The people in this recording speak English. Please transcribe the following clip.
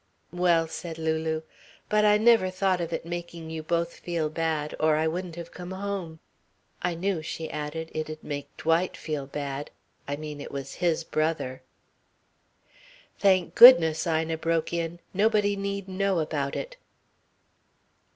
"Well," said Lulu, "but I never thought of it making you both feel bad, or I wouldn't have come home. I knew," she added, "it'd make Dwight feel bad. I mean, it was his brother " "Thank goodness," Ina broke in, "nobody need know about it."